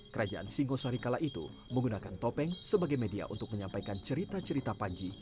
kerajaan singosari kala itu menggunakan topeng sebagai media untuk menyampaikan cerita cerita panji